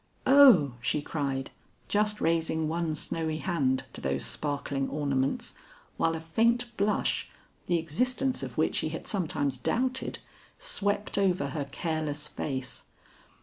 "O," she cried, just raising one snowy hand to those sparkling ornaments, while a faint blush, the existence of which he had sometimes doubted, swept over her careless face.